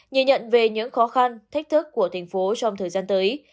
nhìn nhận về những khó khăn thách thức của thành phố trong thời gian tới